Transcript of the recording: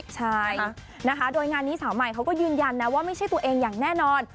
ใช่นะคะโดยงานนี้สาวใหม่เขาก็ยืนยันนะว่าไม่ใช่ตัวเองอย่างแน่นอน